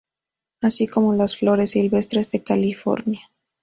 Así como las flores silvestres de California.